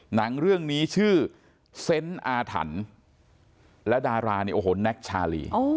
หนังเรื่องนี้ชื่อเซนต์อาถรรพ์และดาราเนี่ยโอ้โหแน็กชาลี